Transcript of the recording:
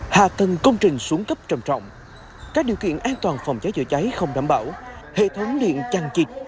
hạ thần công trình xuống cấp trầm trọng các điều kiện an toàn phòng cháy chữa cháy không đảm bảo hệ thống điện chăn chịch